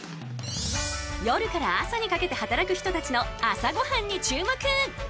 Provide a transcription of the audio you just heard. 夜から朝にかけて働く人たちの朝ご飯に注目。